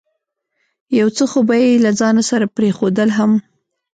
یو څه خو به یې له ځانه سره پرېښودل هم.